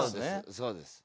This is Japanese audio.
そうです。